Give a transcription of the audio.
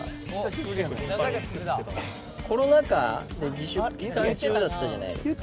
コロナ禍で自粛期間中だったじゃないですか。